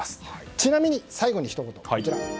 ちなみに最後にひと言。